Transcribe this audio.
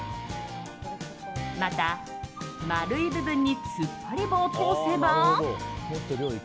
また、丸い部分に突っ張り棒を通せば。